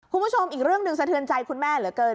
คุณผู้ชมอีกเรื่องหนึ่งสะเทือนใจคุณแม่เหลือเกิน